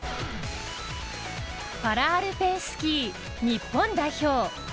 パラアルペンスキー日本代表